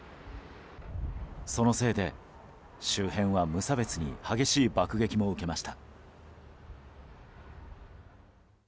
そのせいで、周辺は無差別に激しい爆撃も受けました。